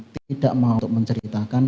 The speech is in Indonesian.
tidak mau untuk menceritakan